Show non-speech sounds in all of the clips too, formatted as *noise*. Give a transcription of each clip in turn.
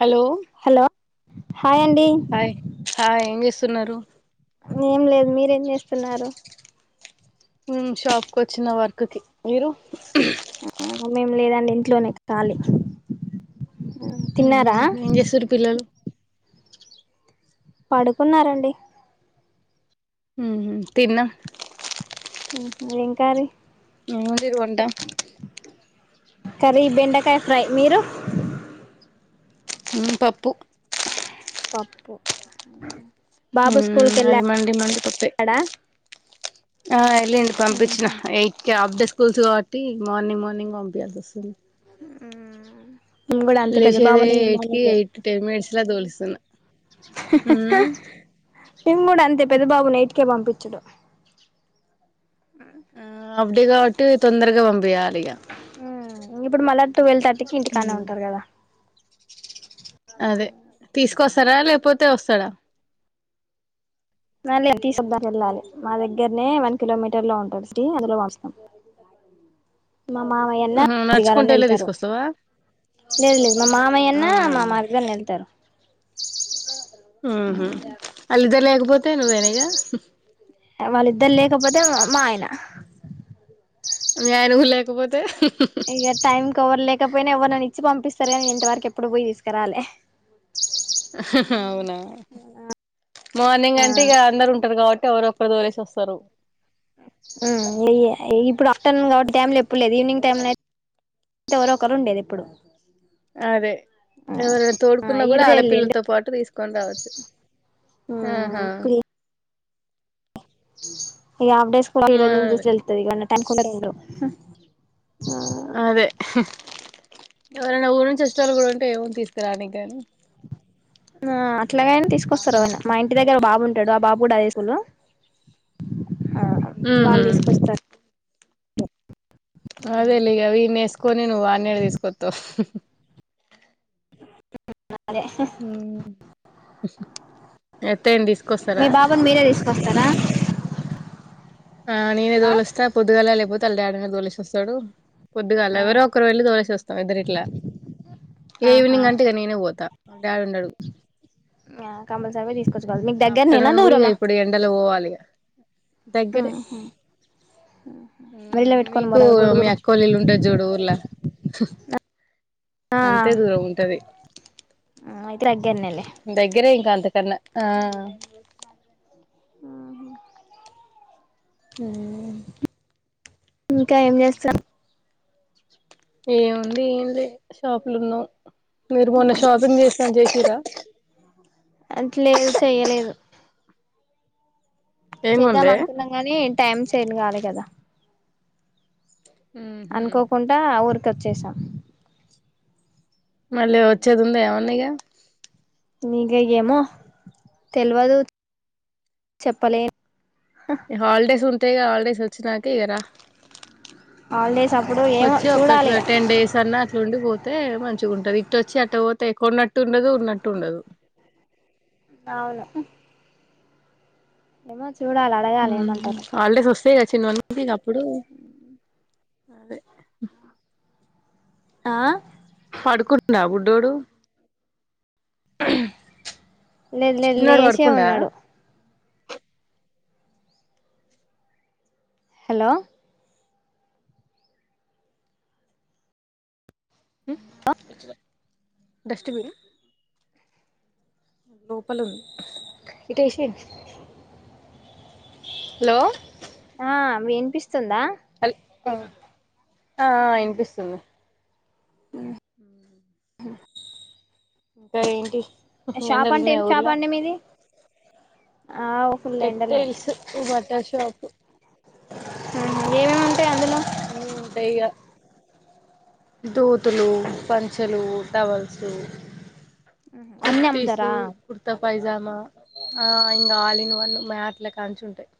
Hello hello hi అండీ hi hi ఏం చేస్తున్నారు ఏం లేదు మీరేం చేస్తున్నారు ఉమ్ షాప్ కు వచ్చిన వర్క్ కి మీరు ఆ మేమ్ లేదండి ఇంట్లోనే ఖాళీ తిన్నారా మ్మ్ ఏం చేస్తురు పిల్లలు పడుకున్నారండి ఊహు తిన్న ఉహు ఏం కర్రీ ఏం వండిరు వంట కర్రీ బెండకాయ్ ఫ్రై మీరు ఉమ్ పప్పు పప్పు ఉమ్ హు బాబు స్కూల్ మ్మ్ కెళ్లా అది మండి మండి పప్పే డా ఆ ఎళ్ళిండు పంపిచ్చిన ఎయి ట్కే హాఫ్ డే స్కూల్స్ కాబట్టి మార్నింగ్ మార్నింగ్ పంపియాల్సి వస్తుంది. మ్మ్ లేచేదే ఎయిట్ కి ఎయిట్ టెన్ మినిట్స్ ల తోలిస్తున్న. అహ్ హ హ మేం కూడ అంతే పెద్ద బాబుని ఎయిట్ కే పంపిచ్చుడు. ఆ హాఫ్ డే కావట్టి తొందరగా పంపియాలి ఇగ. ఉమ్ ఇంగా ఇప్పుడు మళ్ళా టువెల్ థర్టీకి ఇంటికాన్నె మ్మ్ ఉంటరు కదా. అదే తీసుకొస్తరా లేకపోతే వస్తరా వ్యాన్ లేదు తీసుకొత్తానికి వెళ్ళాలి మా దగ్గరనే వన్ కిలోమీటర్ లో ఉంటది సిటీ అందులో పంపిస్తాం. మా మామయ్య అన్న, మ్మ్ హు మర్ది నడుచుకుంటూ గారన్న వెళ్ళి ఎళ్తరు. తీసుకొస్తావా లేదు లేదు మా మామయ్యన్న మా అవునా మరిదన్న ఎళ్తరు. ఊహు ఆల్లిద్దరు లేకపోతె నువ్వేనిగ వాళ్ళిద్దరు లేకపోతే మా ఆయన మీ ఆయన గూడ లే ఇగ టైంకెవరు లేకపోయినా ఎవరినైనా ఇచ్చి పంపిస్ తరు గాని నేను ఇంతవరకు ఎప్పుడు పోయి తీస్కరాలే అవునా మార్నింగ్ ఆ అంటే ఇగ అందరు ఉంటరు కావ ట్టి ఎవరొ ఒక్కరు తోలేసి వస్తరు. ఉమ్ ఇప్పుడు ఆఫ్టర్నూన్ కాబట్టి టైమ్ లో ఎప్పుడు లేదు ఈవినింగ్ టైమ్ ల అయి ఎవరొ ఒకరు ఉండేది ఎప్పుడు అదే ఎవరైనా తోడుకున్నా ఈ కూడా రోజే వెళ్ళిండు ఆలపిల్లలతో పాటు తీసుకొని రావచ్చు. ఆహా ఇప్పుడు ఇగ హాఫ్ డేస్ స్కూల్ అదే *unintelligible* వెల్తది టైంకు ఉండనే ఉండవు. అదే ఎవరన్నా ఊరి నుంచి వచ్చేటోలు కూడా ఉంటే ఏముంది తీస్ దానికి కాని ఆ అట్లాగైనా తీసుకొస్తారువాన్ని మా ఇంటి దగ్గర బాబుంటే టాడు ఆ బాబు కూడా అదే స్కూలు ఊహూ ఓ కొత్త ఎత్త తీసు మీ బాబుని మీరే తీసుకొస్తారా ఆ నేనే ఆ తోలిస్తా పొద్దుగాల లేకపోతే వాళ్ళ డాడీ నే తోలేసి వస్తాడు పొద్దుగాల ఎవరో ఒకరు వెళ్ళి తోలేసి వస్తాం ఇద్దరు ఇట్లా ఇగ ఆహా ఈవినింగ్ అంటేగా నేనే పోతా డాడుండడు కంపల్సరీగా తీసుకొచ్చుకోవాలి మీకు దగ్గర నేనా ఆఫ్టర్నూన్ గూడా ఇక దూరమా ఇప్పుడు ఎండలో పోవాలిగా దగ్గరే మరిలా పెట్టుకొని మీకు పోరాదు మీ గొడుగులు అక్కోళ ఇల్లు ఉంటది చూడు ఊర్లా ఆ అంతే దూరం ఉంటది అయితే దగ్గరనేలే దగ్గరే ఇంకా అంతకన్నా ఆ హ్మ్ ఇంకా ఏం చేస్తాం ఏముంది ఏమి లే షాపులో ఉన్నాం మీరు మొన్న షాపింగ్ చేస్తాను చేసిరా లేదు చెయ్యలేదు ఏం చేద్దాం కొనలే అనుకున్నాం కాని టైమ్ సేన్ కాలే కదా ఉహు అనుకోకుండా ఊరికి వచ్చేసా మళ్ళీ వచ్చేది ఉందా ఏవన్నా ఇగా మీగ ఏమో తెల్వదు చెప్పలే హాలిడేస్ ఉంటయిగ హాలిడేస్ వచ్చినాక ఇక రా హాలిడేస్ అప్పుడు ఏమో వచ్చి ఒక చూడాలి టెన్ డేస్ అన్నా అట్లుండి పో తే మంచిగా ఉంటది ఇట్టొచ్చి అట్ట పోతే కొన్నట్టు ఉండదు ఉన్నట్టు ఉండదు అవును ఏమో చూడాలి అడగాలి హ్మ్ ఏమంటారు హాలిడేస్ వస్తయిగ చిన్నోనికి అప్పుడు ఆ పడుకుండా బుడ్డోడు లేదు లేదు చిన్నాడు లేచే పడుకుండా ఉన్నాడు హలో డస్ట్బన్ లోపల ఉంది ఇటేసేయండి హలో ఆ మీ వినిపిస్తుందా హల్ ఆ ఆ వినిపిస్తుంది ఉ హ ఇంకా ఏంటి షాప్ ఎండలు అంటే ఏం ఉన్నాయా షాప్ ఊర్లో అండి మీది ఆ ఫుల్ ఎండలు టెక్స్టైల్స్ బట్టలషాపు ఏమేమి ఉంటాయి అందులో అన్నీ ఉంటాయి ఇక దొతులు పంచలు టవల్సు అన్ని కుర్తీసు అమ్ముతారా కుర్తా పైజమా ఆ ఇంకా ఆల్ ఇన్ వన్ మేట్ల కాడ నుంచి ఉంటాయి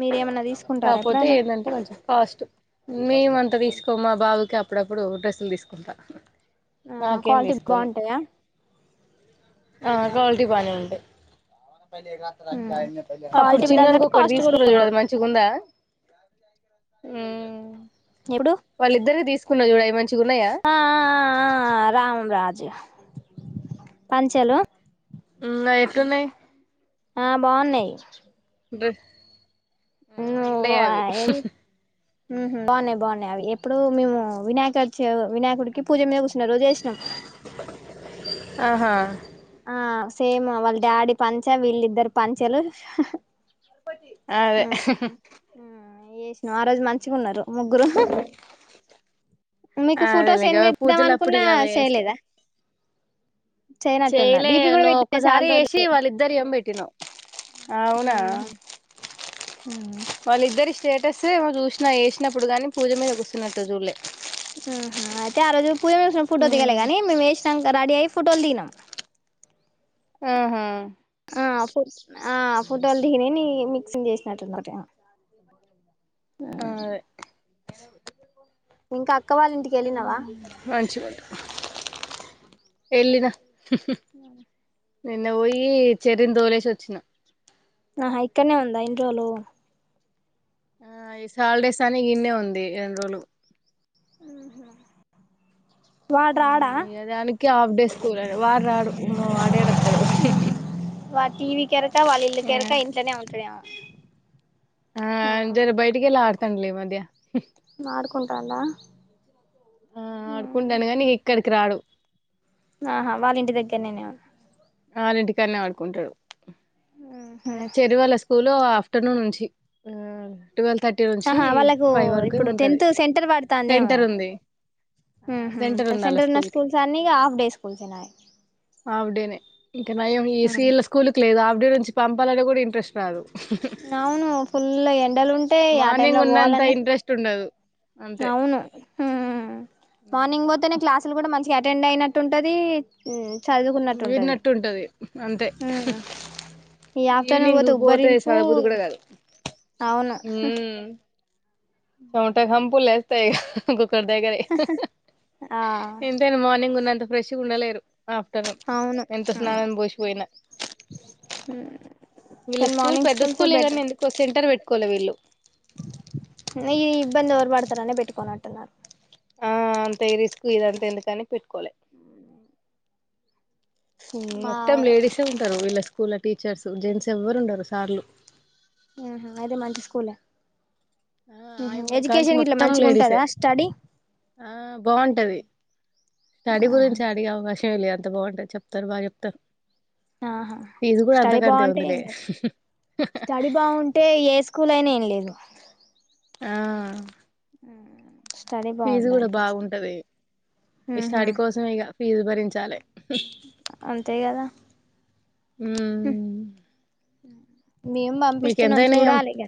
మీరేమన్నా తీసుకుంటారా కాకపోతే ఎప్పుడైనా ఏంటంటే మంచిగ కాస్ట్ మేం అంత తీసుకోము మా బాబుకి అప్పుడప్పుడు డ్రెస్సులు తీసుకుంటా ఆహా నాకేం క్వాలిటీ తీసుకోను బావుంటాయా ఆ క్వాలిటీ బానే ఉంటాయి అప్పుడు క్వాలిటీ చిన్నోనికి తగ్గట్టు ఒకటి కాస్ట్ కూడా తీసుకున్నావు చూడు అది ఉంటది మంచిగా ఉందా ఊ ఎప్పుడు వాళ్ళిద్దరికీ తీసుకున్నా చూడు అయి మం ఆ ఆ ఆ ఆ ఆ రాంరాజ్ పంచెలు ఇంగ ఎట్లునాయి ఆ బావున్నాయి డ్రు ఆ ఈళ్ళవే అవి ఊహూ బావున్నాయి బావున్నాయి అవి ఎప్పుడో మేము వినాయక చవ్ వినాయకుడికి పూజ మీద సిన రోజు ఏసినం ఆహా ఆ సేమ్ వాళ్ళ డాడీ పంచ వీళ్ళిద్దరూ పంచలు అవే ఏసినా ఆ రోజు మంచిగున్నరు ముగ్గురూ మీకు అదేలే ఫోటోస్ ఇగ సెండ్ చేద్దాం పూజలప్పుడు అనుకున్నా ఇగ అవే చేస్తాం చేయలేదా చేయనట్టున్నారు చేయలే డీపీ కూడా నువ్ పెట్టినా చాలా ఒక్కసారి రోజులు ఏసి వాళ్ళిద్దరువి ఏమో బెట్టినావు అవునా వాళ్ళిద్దరి స్టేటస్ ఏమో చూసినా వేసినప్పుడు కానీ పూజ మీద కూస్సున్నట్టు జూల్లే ఉమ్ హు అయితే ఆ రోజు పూజ మీద కూస్సున్న ఫోటో దిగలే ఉమ్ కానీ మేము వేసినాంక రెడీ అయి ఫోటోలు దిగినం ఆహా ఆ ఫు ఆ ఫోటోలు దిగినయి నీయి మిక్సింగ్ చేసినట్టు ఉన్న ఒక్కటి ఆ ఆ అదే ఇంకా అక్క వాళ్ళ ఇంటికి వెళ్ళినవా వెళ్లినా అహ నిన్న వోయి చెర్రీని తోలేసి వచ్చిన అహ ఇక్కన్నే ఉందా ఇన్ని రోలు ఆ ఈ హాలిడేస్ అని ఈన్నే ఉంది ఇన్ని రోలు మ్మ్ హ్మ్ మ్ ఇగ దానికే హాఫ్ డే స్కూల్ అని వాడు రాడు వాడు ఏడ వత్తాడు వాడు టీవీకి ఎరుక వాళ్ళ ఇల్లు కెరుక ఇంట్లోనే ఉంటడేమో ఆ జర బయట కెళ్ళి ఆడతాండులే ఈ మధ్య ఆడుకుంటాండా ఆ ఆడుకుంటాండు గానీ ఇక్కడికి రాడు ఆహా వాళ్ళ ఇంటి దగ్గర్నేనేమో వాళ్ళ ఇంటికాన్నే ఆడుకుంటడు ఉహు చెర్రీ వాళ్ళ స్కూలు ఆఫ్టర్నూన్ నుంచి టువెల్ థర్టీ నుంచి ఆహా వాళ్ళకు ఫైవ్ వరకేమో ఇప్పుడు ఉంటది టెన్త్ సెంటర్ పడుతాందేమో సెంటర్ ఉంది ఆ ఉహు ఉంది ఆళ్ళ సెంటర్ ఉన్నా స్కూల్ కి స్కూల్స్ అన్ని ఇగ హాఫ్ డే స్కూల్స్ ఏ నాయే హాఫ్ డే నే ఇంకా నయం ఈసీళ్ళ స్కూల్ కి లేదు ఆవిడే నుంచి పంపాలనే కూడా ఇంట్రెస్ట్ రాదు హూ హూ అవును ఫుల్ ఎండలు ఉంటాయి ఆ టైమ్ లో మార్నింగ్ ఉన్నంత పోవాలన్నా ఇంట్రెస్ట్ ఉండదు అంతే అవును ఊ మార్నింగ్ ఓతేనే క్లాస్లు కూడా మంచి కి అటెండ్ అయినట్టుంటది ఊ చదువుకున్నట్టు ఉంటది విన్నట్టు అంతే ఊ ఈ యాప్ తోనీ ఈవినింగ్ పోతే ఉబ్బరింపు చదవబుద్ధి కూడా కాదు అవును షవట కంపు లేస్తాయిగ గు ఒకరి దగ్గరే ఆ ఎంతైనా మార్నింగ్ ఉన్న అంత ఫ్రెష్ ఉండలేరు ఆఫ్టర్నూన్ అవును ఎంత స్నానం పోసిపోయిన వీళ్ళ కానీ స్కూల్ మార్నింగ్ పెద్ద స్కూల్సే స్కూలే గానీ ఎందుకో సెంటర్ వెట్టుకోలె వీళ్ళు నీ ఈ ఇబ్బంది ఎవరు పడతారనే పెట్టుకోను అంటున్నా ఆ అంత ఈ రిస్క్ ఇదంత ఎందుకని పెట్కోలె నాన మొత్తం లేడీసే ఉంటారు వీళ్ళ స్కూల్లో టీచర్స్ జెంట్స్ ఎవ్వరు ఉండరు సార్లు ఆహా అయితే మంచి స్కూల్ ఆ ఎ ఆయమ్మల కాంచి ఎడ్యుకేషన్ గిట్లా మొత్తం మంచిగా ఉంటుందా లేడీసే స్టడీ ఆ బాగుంటది స్టడీ గురించి అడిగే అవకాశం లే అంత బావుంటంది చెప్తారు బా చెప్తారు ఆహా ఫీజు గూడా స్టడీ అంతకంటే బాగుంటే ఏం ఉందిలే కాదు స్టడీ బావుంటే ఏ స్కూల్ అయినా ఏం లేదు ఆ స్టడీ ఫీజు గూడా బాగుండాలి ఫస్ట్ బాగుంటది ఈ ఉహు స్టడీ కోసమే ఇగ ఫీజు భరించాలి అంతే కదా మ్మ్ మేమ్ పంపిస్తున్నాం చూడాలి ఇగ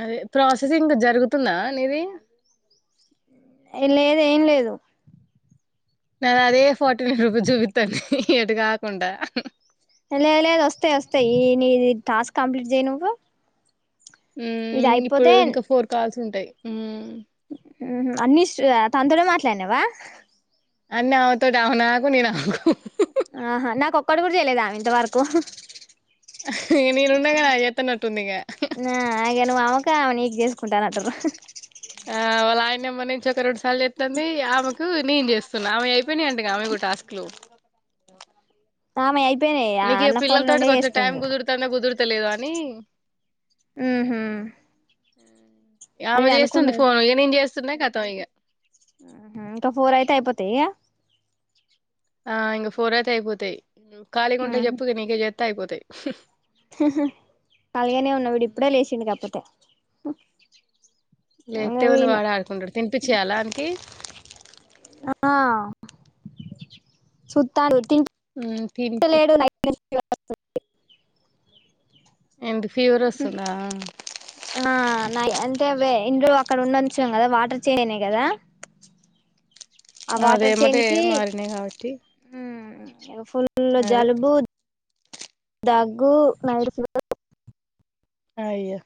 అదే ప్రాసెసింగ్ జరుగుతుందా నీది లేదు ఏం లేదు నను అదే ఫార్టీ నైన్ రూపీస్ జూవితాంది ఎటు కాకుండ లేద్ లేద్ వస్తాయి వస్తాయి ఈ నీది టాస్క్ కంప్లీట్ జేయ్ నువ్వు ఇది మ్మ్ ఇప్పుడు అయిపోతే ఇంకా ఫోర్ కాల్స్ ఉంటాయ్ మ్మ్ అన్ని తనతోనే మాట్లాడినావా అన్నీ అవుతోడి ఆవు నాకు నీ నాకు ఆహా నాకు ఒక్కటి గూడా జేయలె ఆమె ఇంతవరకు నేను ఉన్నాగా నాకు చెత్తనట్టు ఉంది ఇగ నువ్ అవ్వకా ఆమె నీకు జేసుకుంటాను అంటుర్రు ఆ వాలాయన్ నెంబర్ నుంచి ఒక రెండు సార్లు చెత్తంది ఆమెకు నేను చేస్తున్నా ఆమె అయిపోయినీ అంటగా ఆమెకు టాస్క్ లు ఆమె అయిపో నీకు ఇగ పిల్లల తోటి కొంచెం టైం కుదురుతంద కుదురుతులేదో అని మ్మ్ హు ఆమె చేస్తుంది ఫోన్ ఇగ నేను జేస్తున్నా కతం ఇగ ఇంకా ఫోర్ అయితే అయిపోతాయ ఆ ఇంకా ఫోర్ అయితే అయిపోతాయ్ ఖాళీగా ఉంటే చెప్పు ఇగ నీకే చెత్త అయిపోతాయ్ అలాగనే ఉన్నా విడు ఇప్పుడే లేచిండు కాకపోతే ఇంగ లేత్తే ఉంది వీన్ వాడు ఆడుకుంటాడు తినిపిచేయ్యాలా ఆనికి ఆ చుత్త ఆగు మ్మ్మ్ పిబిప్పి *inaudible* ఎందుకు ఫీవర్ వస్తుందా ఆ నాయన్ తెవే ఇన్ని రోలు అక్కనొంచం కదా వాటర్ చెంజ్ అయినయ్ కదా ఆ వాటర్ చేంజ్ అదేమటే కి మారినాయి కాబట్టి ఫుల్లు అదే జలుబు దగ్గు నైట్ ఫీవర్ అయ్యో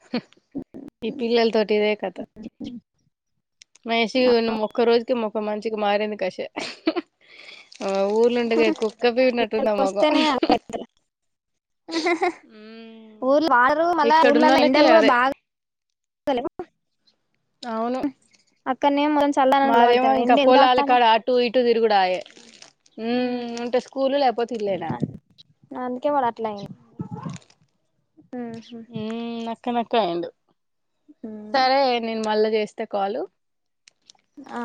ఈ పిల్లల తోటి ఇదే కథ మా ఎష్యు నిన్న ఒక్క రోజుకే మొఖం మంచిగా మారింది కశ ఆ ఊర్లు ఉండగ కుక్క పీకిన్నట్టుంది నా ముఖం ఊర్ల వాళ్ళ మళ్ళ ఊర్ళలో ఇక్కడున్నోళ్ళకి ఎండలు కూడా అదే బాగా హలో అవును అక్కనే ఏమో చల్లదనానికి అలవాటు మాదేమో పడతారు ఎండ ఇంకా ఎందుకు పొలాల తాగుతాంది అక్కడ ఉ ఉంటే స్కూల్ లేకపోతే ఇల్లేనాయే అందుకే వాడు అట్లాయిండు నక్క నక్క అయ్యిండు సరే నేను మళ్ళా చేస్తే కాలు ఆ